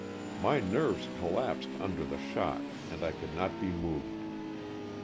My nerves collapsed under the shock and I could not be moved.